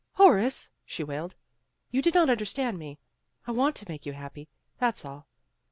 "Horace," she wailed, "you did not under stand me. I want to make you happy, that's all.